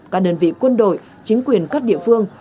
các đơn vị quân đội chính quyền các địa phương